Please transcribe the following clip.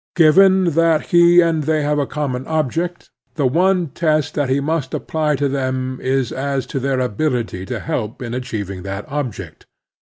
Given that he and they have a common object, the one test that he must apply to them is as to their ability to help in achieving that object.